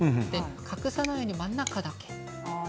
隠さないように真ん中だけ。